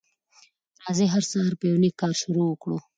راځی هر سهار په یو نیک کار شروع کړو